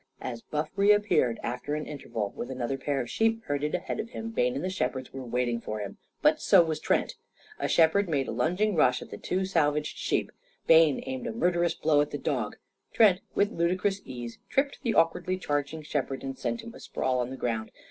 As Buff reappeared, after an interval, with another pair of sheep herded ahead of him, Bayne and the shepherds were waiting for him. But so was Trent. A shepherd made a lunging rush at the two salvaged sheep. Bayne aimed a murderous blow at the dog. Trent, with ludicrous ease, tripped the awkwardly charging shepherd and sent him asprawl on the ground.